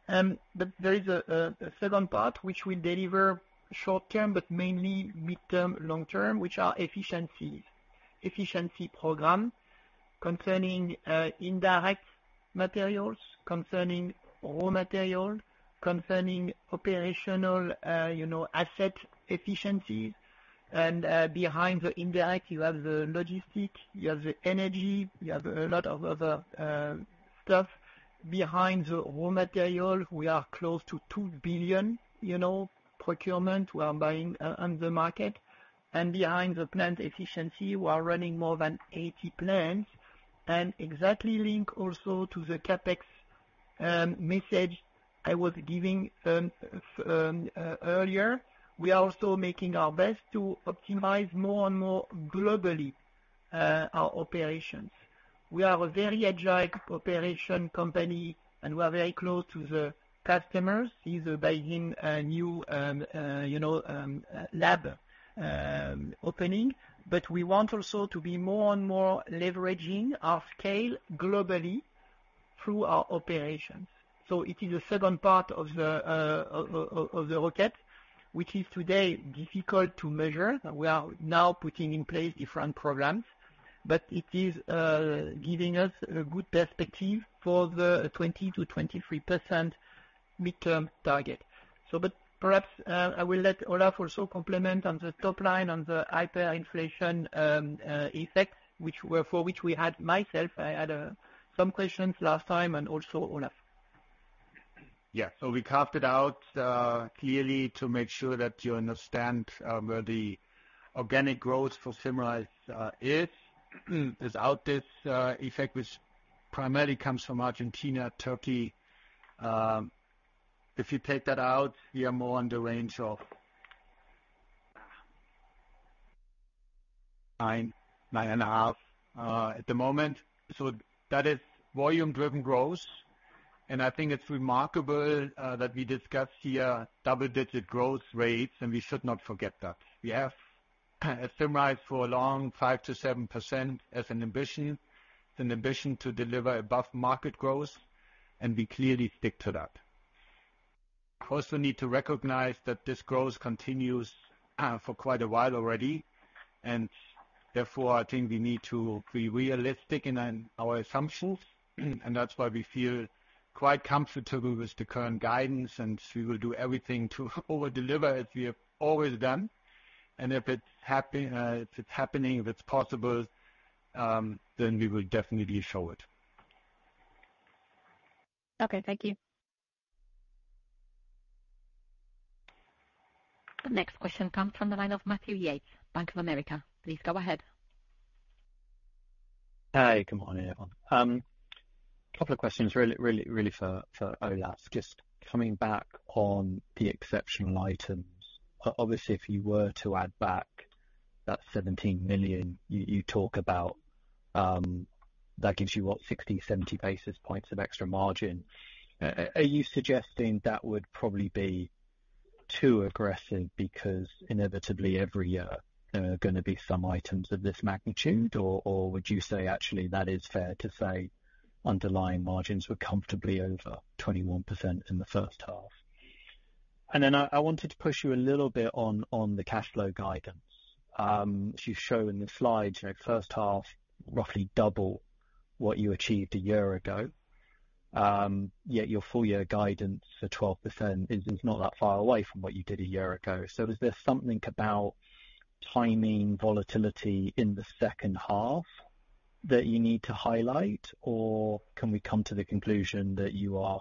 [SPEAKER 2] There is a second part which we deliver short term, but mainly midterm, long term, which are efficiencies. Efficiency program concerning indirect materials, concerning raw material, concerning operational asset efficiencies. Behind the indirect, you have the logistics, you have the energy, you have a lot of other stuff. Behind the raw material, we are close to 2 billion procurement we are buying on the market. Behind the plant efficiency, we are running more than 80 plants. Exactly linked also to the CapEx message I was giving earlier, we are also making our best to optimize more and more globally our operations. We are a very agile operation company, and we are very close to the customers. We have a new lab opening, but we want also to be more and more leveraging our scale globally through our operations. So it is the second part of the rocket, which is today difficult to measure. We are now putting in place different programs, but it is giving us a good perspective for the 20%-23% midterm target. But perhaps I will let Olaf also comment on the top line on the hyperinflation effect, for which we had myself, I had some questions last time and also Olaf.
[SPEAKER 3] Yeah, so we carved it out clearly to make sure that you understand where the organic growth for Symrise is without this effect, which primarily comes from Argentina, Turkey. If you take that out, you are more on the range of 9%, 9.5% at the moment. So that is volume-driven growth. And I think it's remarkable that we discussed here double-digit growth rates, and we should not forget that. We have summarized for a long 5%-7% as an ambition, an ambition to deliver above market growth, and we clearly stick to that. We also need to recognize that this growth continues for quite a while already. And therefore, I think we need to be realistic in our assumptions. And that's why we feel quite comfortable with the current guidance, and we will do everything to overdeliver as we have always done. And if it's happening, if it's possible, then we will definitely show it.
[SPEAKER 8] Okay, thank you.
[SPEAKER 5] The next question comes from the line of Matthew Yates, Bank of America. Please go ahead.
[SPEAKER 9] Hi, good morning, everyone. A couple of questions really for Olaf. Just coming back on the exceptional items. Obviously, if you were to add back that 17 million, you talk about that gives you what, 60-70 basis points of extra margin. Are you suggesting that would probably be too aggressive because inevitably every year there are going to be some items of this magnitude, or would you say actually that is fair to say underlying margins were comfortably over 21% in the first half? And then I wanted to push you a little bit on the cash flow guidance. As you show in the slides, first half roughly double what you achieved a year ago, yet your full year guidance for 12% is not that far away from what you did a year ago. So is there something about timing volatility in the second half that you need to highlight, or can we come to the conclusion that you are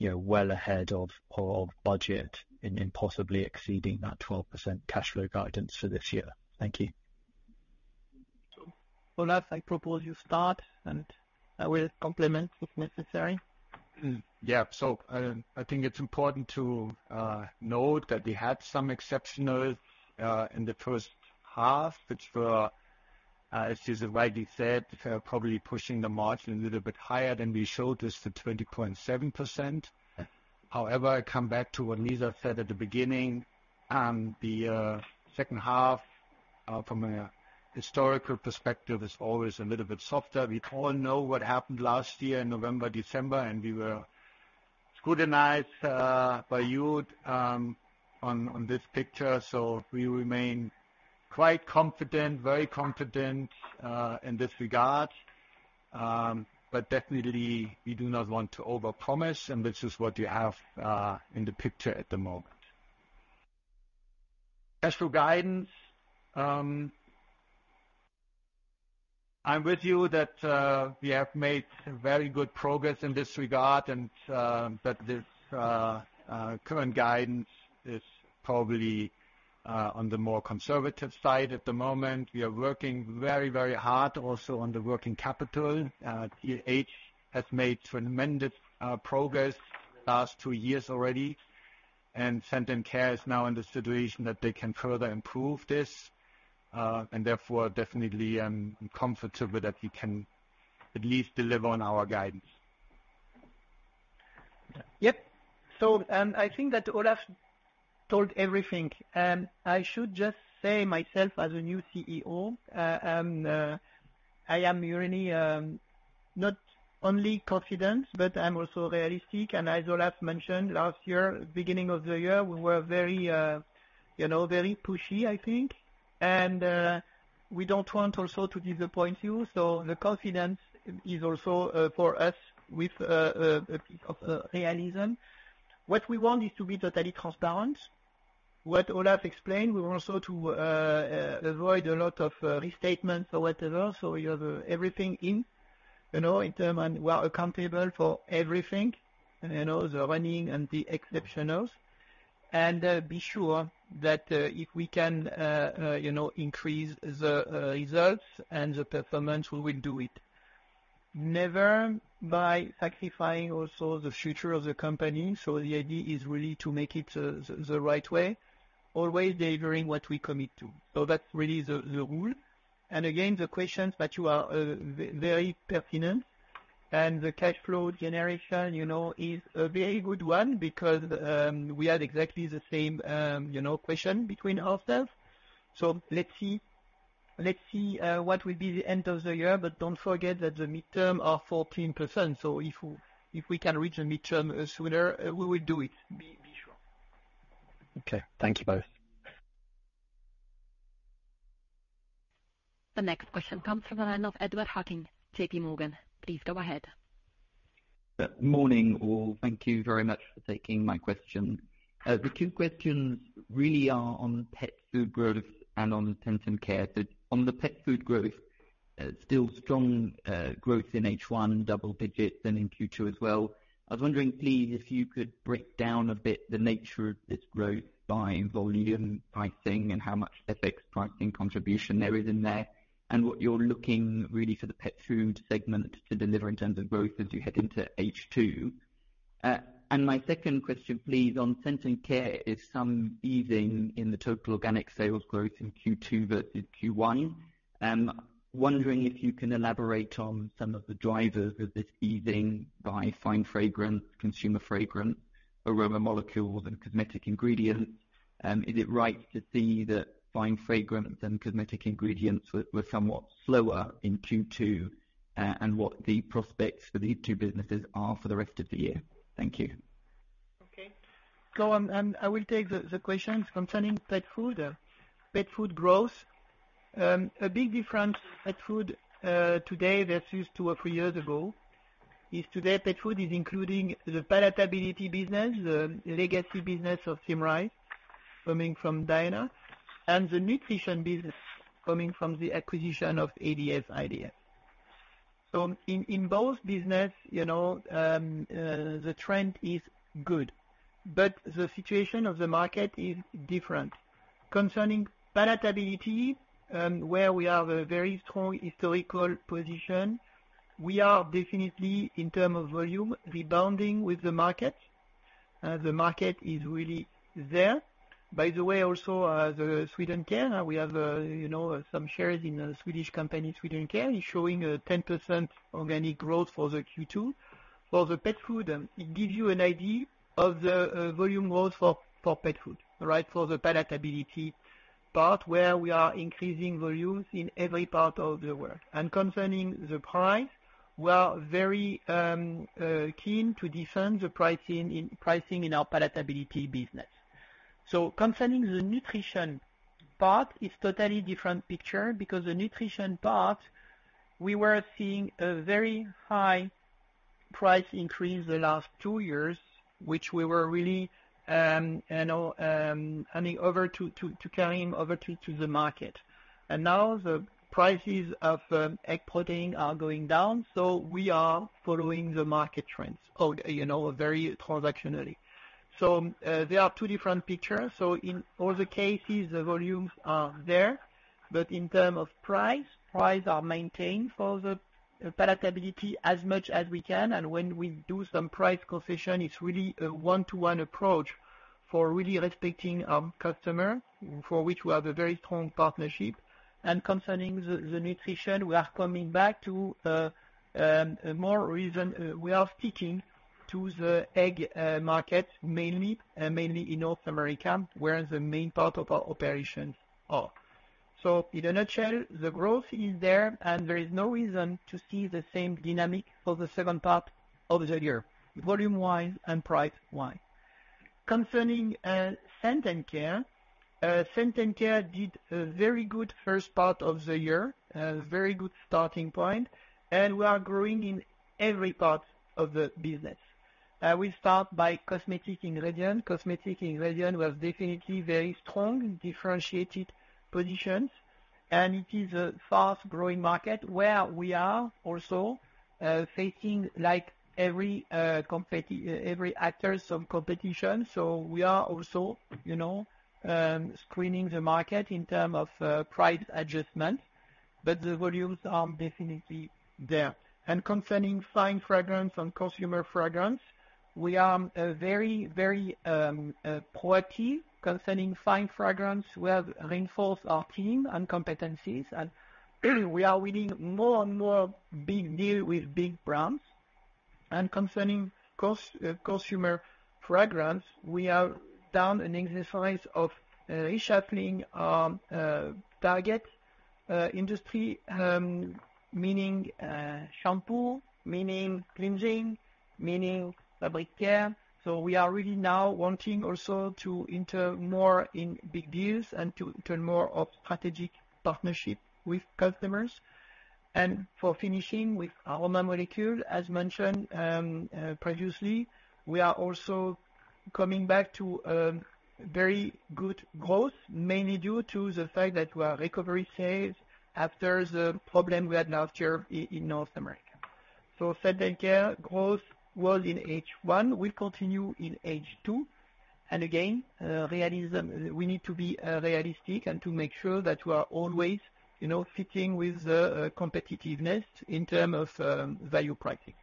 [SPEAKER 9] well ahead of budget in possibly exceeding that 12% cash flow guidance for this year? Thank you.
[SPEAKER 2] Olaf, I propose you start, and I will complement if necessary.
[SPEAKER 3] Yeah, so I think it's important to note that we had some exceptionals in the first half, which were, as you rightly said, probably pushing the margin a little bit higher than we showed us at 20.7%. However, I come back to what Lisa said at the beginning. The second half, from a historical perspective, is always a little bit softer. We all know what happened last year in November, December, and we were scrutinized by you on this picture. So we remain quite confident, very confident in this regard. But definitely, we do not want to overpromise, and this is what you have in the picture at the moment. Cash flow guidance, I'm with you that we have made very good progress in this regard, but this current guidance is probably on the more conservative side at the moment. We are working very, very hard also on the working capital. T&H has made tremendous progress the last two years already, and Scent & Care is now in the situation that they can further improve this. And therefore, definitely, I'm comfortable that we can at least deliver on our guidance.
[SPEAKER 2] Yep. So I think that Olaf told everything. I should just say, myself as a new CEO, I am really not only confident, but I'm also realistic. As Olaf mentioned last year, beginning of the year, we were very pushy, I think. We don't want also to disappoint you. So the confidence is also for us with a piece of realism. What we want is to be totally transparent. What Olaf explained, we want also to avoid a lot of restatements or whatever. So we have everything in. We are accountable for everything, the running and the exceptionals. Be sure that if we can increase the results and the performance, we will do it. Never by sacrificing also the future of the company. So the idea is really to make it the right way, always delivering what we commit to. So that's really the rule. Again, the questions that you are very pertinent. The cash flow generation is a very good one because we had exactly the same question between ourselves. So let's see what will be the end of the year, but don't forget that the midterm are 14%. So if we can reach the midterm sooner, we will do it. Be sure.
[SPEAKER 9] Okay. Thank you both.
[SPEAKER 5] The next question comes from the line of Edward Mundy, JP Morgan. Please go ahead.
[SPEAKER 10] Morning, all. Thank you very much for taking my question. The two questions really are on pet food growth and on Scent & Care. On the pet food growth, still strong growth in H1, double digits, and in Q2 as well. I was wondering, please, if you could break down a bit the nature of this growth by volume pricing and how much FX pricing contribution there is in there and what you're looking really for the pet food segment to deliver in terms of growth as you head into H2. And my second question, please, on Scent & Care is some easing in the total organic sales growth in Q2 versus Q1. I'm wondering if you can elaborate on some of the drivers of this easing by fine fragrance, consumer fragrance, aroma molecules, and cosmetic ingredients. Is it right to see that fine fragrance and cosmetic ingredients were somewhat slower in Q2 and what the prospects for these two businesses are for the rest of the year? Thank you.
[SPEAKER 2] Okay. So I will take the questions concerning pet food. Pet food growth. A big difference in pet food today versus two or three years ago is today pet food is including the palatability business, the legacy business of Symrise, coming from Diana, and the nutrition business coming from the acquisition of ADF IDF. So in both businesses, the trend is good, but the situation of the market is different. Concerning palatability, where we have a very strong historical position, we are definitely, in terms of volume, rebounding with the market. The market is really there. By the way, also the Swedencare, we have some shares in the Swedish company, Swedencare, is showing a 10% organic growth for the Q2. For the pet food, it gives you an idea of the volume growth for pet food, right, for the palatability part, where we are increasing volumes in every part of the world. Concerning the price, we are very keen to defend the pricing in our palatability business. Concerning the nutrition part, it's a totally different picture because the nutrition part, we were seeing a very high price increase the last two years, which we were really carrying over to the market. Now the prices of egg protein are going down, so we are following the market trends, very transactionally. There are two different pictures. In all the cases, the volumes are there, but in terms of price, prices are maintained for the palatability as much as we can. When we do some price concession, it's really a one-to-one approach for really respecting our customers, for which we have a very strong partnership. Concerning the nutrition, we are coming back to a more reason we are sticking to the egg market, mainly in North America, where the main part of our operations are. In a nutshell, the growth is there, and there is no reason to see the same dynamic for the second part of the year, volume-wise and price-wise. Concerning Scent & Care, Scent & Care did a very good first part of the year, a very good starting point, and we are growing in every part of the business. We start by cosmetic ingredients. Cosmetic ingredients were definitely very strong, differentiated positions, and it is a fast-growing market where we are also facing every actor's competition. So we are also screening the market in terms of price adjustment, but the volumes are definitely there. Concerning fine fragrance and consumer fragrance, we are very, very proactive. Concerning fine fragrance, we have reinforced our team and competencies, and we are winning more and more big deals with big brands. Concerning consumer fragrance, we are down an exercise of reshuffling our target industry, meaning shampoo, meaning cleansing, meaning fabric care. So we are really now wanting also to enter more in big deals and to turn more of strategic partnerships with customers. For finishing with aroma molecules, as mentioned previously, we are also coming back to very good growth, mainly due to the fact that we are recovering sales after the problem we had last year in North America. So Scent & Care growth was in H1. We'll continue in H2. Again, we need to be realistic and to make sure that we are always fitting with the competitiveness in terms of value pricing.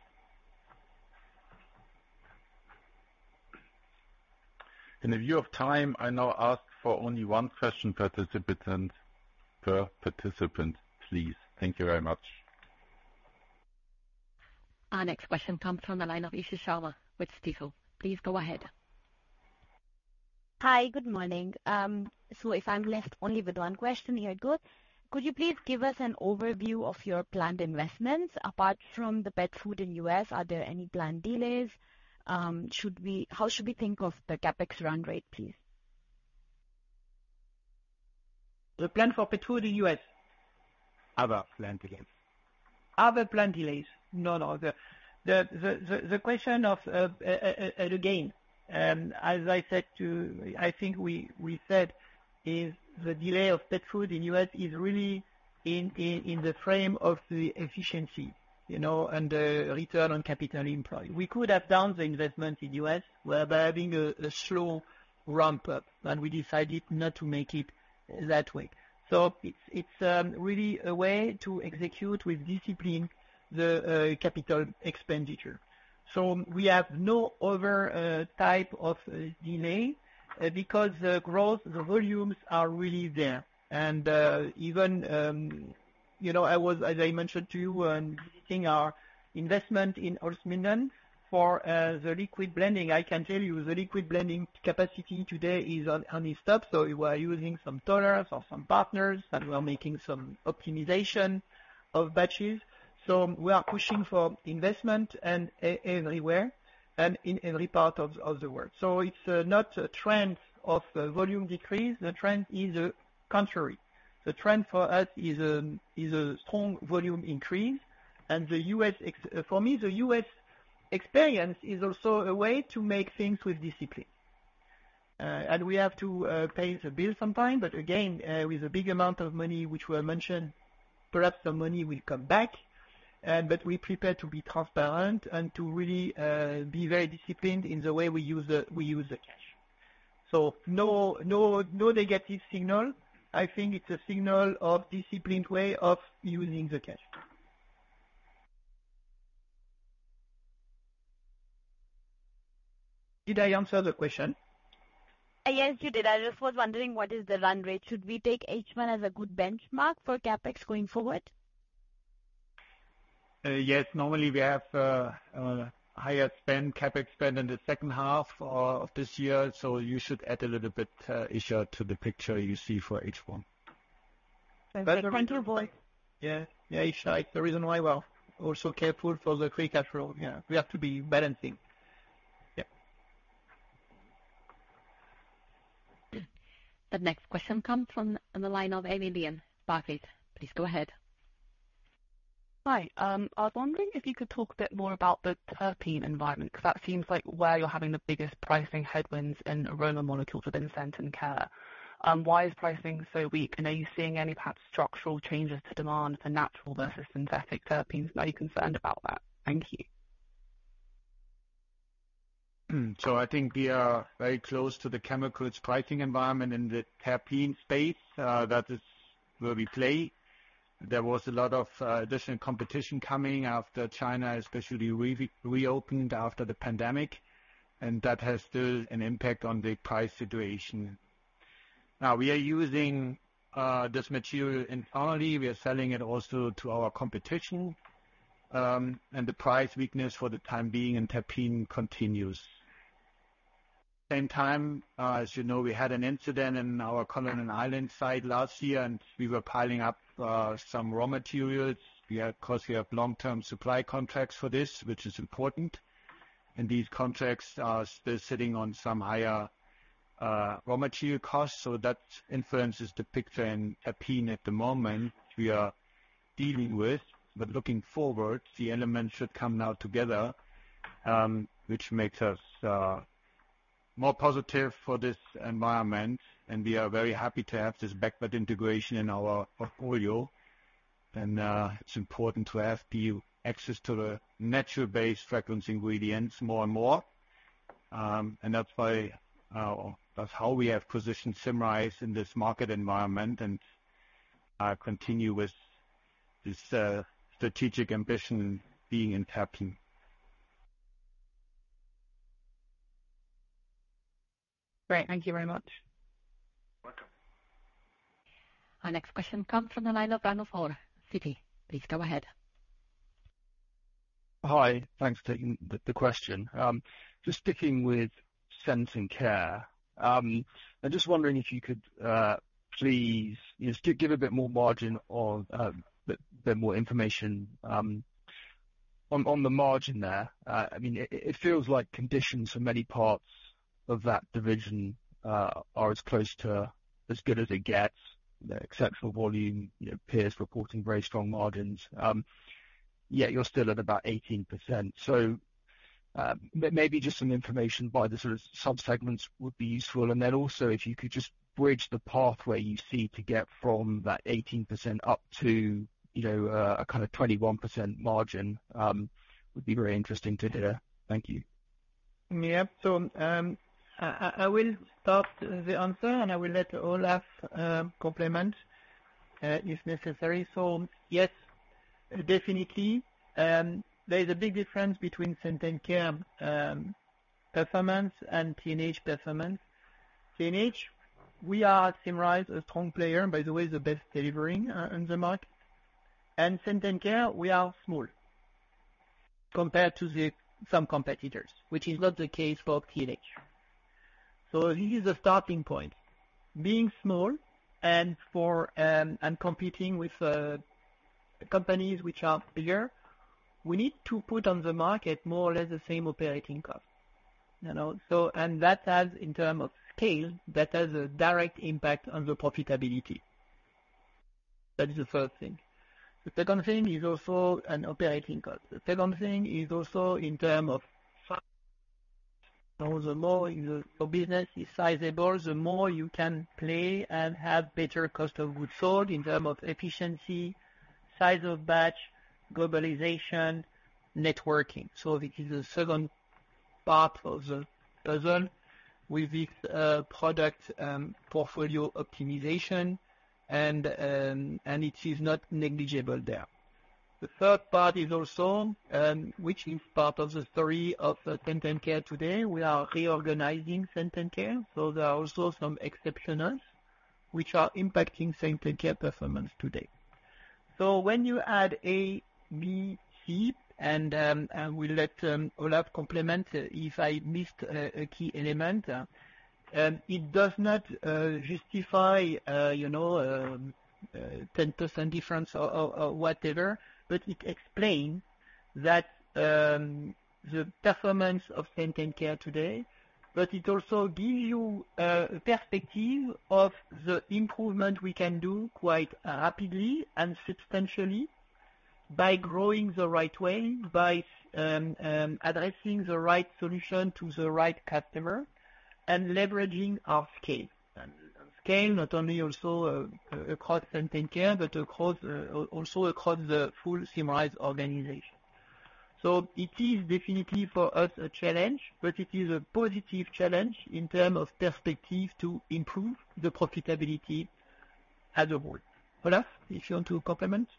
[SPEAKER 1] In the view of time, I now ask for only one question per participant, please. Thank you very much.
[SPEAKER 5] Our next question comes from the line of Isha Sharma with Stifel. Please go ahead.
[SPEAKER 11] Hi, good morning. So if I'm left only with one question, you're good. Could you please give us an overview of your planned investments? Apart from the pet food in the US, are there any planned delays? How should we think of the CapEx run rate, please?
[SPEAKER 2] The plan for pet food in the US?
[SPEAKER 11] Other planned delays.
[SPEAKER 2] Other planned delays. No, no. The question of, again, as I said to, I think we said, is the delay of pet food in the US is really in the frame of the efficiency and the return on capital employed. We could have done the investment in the U.S. by having a slow ramp-up, and we decided not to make it that way. It's really a way to execute with discipline the capital expenditure. We have no other type of delay because the growth, the volumes are really there. Even I was, as I mentioned to you, visiting our investment in Holzminden for the liquid blending. I can tell you the liquid blending capacity today is unstopped. We are using some tollers or some partners, and we are making some optimization of batches. We are pushing for investment everywhere and in every part of the world. It's not a trend of volume decrease. The trend is the contrary. The trend for us is a strong volume increase. For me, the U.S. experience is also a way to make things with discipline. We have to pay the bill sometimes, but again, with a big amount of money, which we have mentioned, perhaps some money will come back. But we prepare to be transparent and to really be very disciplined in the way we use the cash. So no negative signal. I think it's a signal of a disciplined way of using the cash. Did I answer the question?
[SPEAKER 11] Yes, you did. I just was wondering what is the run rate? Should we take H1 as a good benchmark for CapEx going forward?
[SPEAKER 3] Yes. Normally, we have higher spend, CapEx spend in the second half of this year. So you should add a little bit to the picture you see for H1. That's a point to avoid. Yeah. Yeah, it's like the reason why we're also careful for the free cash flow. Yeah. We have to be balancing. Yeah.
[SPEAKER 5] The next question comes from the line of Emilien Baillet. Please go ahead. Hi. I was wondering if you could talk a bit more about the terpene environment because that seems like where you're having the biggest pricing headwinds in aroma molecules within Scent & Care. Why is pricing so weak? And are you seeing any perhaps structural changes to demand for natural versus synthetic terpenes? Are you concerned about that? Thank you.
[SPEAKER 3] So I think we are very close to the chemical pricing environment in the terpene space. That is where we play. There was a lot of additional competition coming after China especially reopened after the pandemic, and that has still an impact on the price situation. Now, we are using this material internally. We are selling it also to our competition. And the price weakness for the time being in terpene continues. At the same time, as you know, we had an incident in our Colonel's Island site last year, and we were piling up some raw materials. Of course, we have long-term supply contracts for this, which is important. And these contracts are still sitting on some higher raw material costs. So that influences the picture in terpene at the moment we are dealing with. But looking forward, the elements should come now together, which makes us more positive for this environment. And we are very happy to have this backward integration in our portfolio. And it's important to have access to the natural-based fragrance ingredients more and more. And that's how we have positioned Symrise in this market environment and continue with this strategic ambition being in terpene. Great.
[SPEAKER 12] Thank you very much.
[SPEAKER 3] You're welcome.
[SPEAKER 12] Our next question comes from the line of Ranulf Orr, Citi. Please go ahead. Hi.
[SPEAKER 13] Thanks for taking the question. Just sticking with Scent & Care, I'm just wondering if you could please give a bit more margin or a bit more information on the margin there. I mean, it feels like conditions for many parts of that division are as close to as good as it gets. Exceptional volume, peers reporting very strong margins. Yet you're still at about 18%. So maybe just some information by the sort of subsegments would be useful. And then also, if you could just bridge the pathway you see to get from that 18% up to a kind of 21% margin would be very interesting to hear. Thank you.
[SPEAKER 2] Yep. So I will stop the answer, and I will let Olaf supplement if necessary. So yes, definitely. There is a big difference between Scent & Care performance and TNH performance. TNH, we are Symrise, a strong player, by the way, the best delivering on the market. And Scent & Care, we are small compared to some competitors, which is not the case for TNH. So this is a starting point. Being small and competing with companies which are bigger, we need to put on the market more or less the same operating cost. And that has, in terms of scale, that has a direct impact on the profitability. That is the first thing. The second thing is also an operating cost. The second thing is also in terms of size. The more your business is sizable, the more you can play and have better cost of goods sold in terms of efficiency, size of batch, globalization, networking. So it is the second part of the puzzle with this product portfolio optimization, and it is not negligible there. The third part is also, which is part of the story of Scent & Care today, we are reorganizing Scent & Care. So there are also some exceptionals, which are impacting Scent & Care performance today. So when you add A, B, C, and we'll let Olaf complement if I missed a key element, it does not justify a 10% difference or whatever, but it explains the performance of Scent & Care today. But it also gives you a perspective of the improvement we can do quite rapidly and substantially by growing the right way, by addressing the right solution to the right customer, and leveraging our scale. And scale, not only also across Scent & Care, but also across the full Symrise organization. So it is definitely for us a challenge, but it is a positive challenge in terms of perspective to improve the profitability as a whole. Olaf, if you want to complement?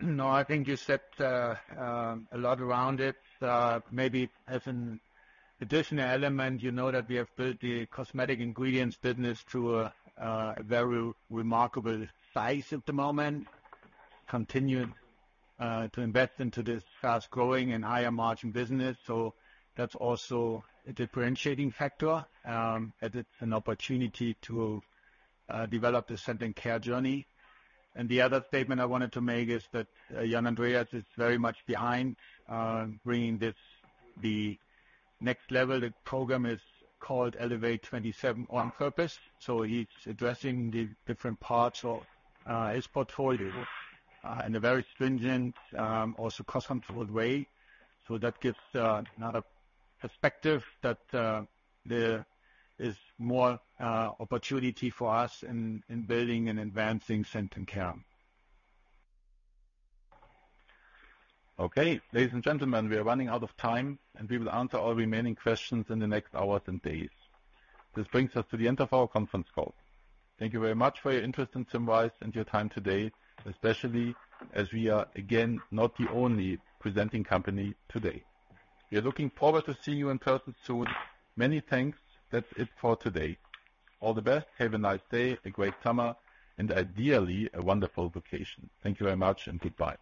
[SPEAKER 3] No, I think you said a lot around it. Maybe as an additional element, you know that we have built the cosmetic ingredients business to a very remarkable size at the moment, continuing to invest into this fast-growing and higher-margin business. So that's also a differentiating factor. It's an opportunity to develop the Scent & Care journey. And the other statement I wanted to make is that Jörn Andreas is very much behind bringing this to the next level. The program is called Elevate 27 on purpose. So he's addressing the different parts of his portfolio in a very stringent, also cost-controlled way. So that gives another perspective that there is more opportunity for us in building and advancing Scent & Care. Okay. Ladies and gentlemen, we are running out of time, and we will answer all remaining questions in the next hours and days. This brings us to the end of our conference call. Thank you very much for your interest in Symrise and your time today, especially as we are, again, not the only presenting company today. We are looking forward to seeing you in person soon. Many thanks. That's it for today. All the best. Have a nice day, a great summer, and ideally, a wonderful vacation. Thank you very much, and goodbye.